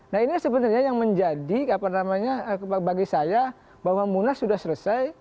nah ini sebenarnya yang menjadi apa namanya bagi saya bahwa munas sudah selesai